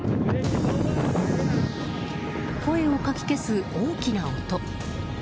声をかき消す、大きな音。